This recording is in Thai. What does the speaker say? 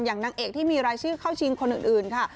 นางเอกที่มีรายชื่อเข้าชิงคนอื่นค่ะ